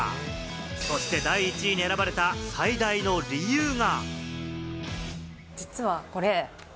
そして第１位に選ばれた最大の理由が。